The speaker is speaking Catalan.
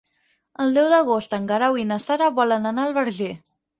El deu d'agost en Guerau i na Sara volen anar al Verger.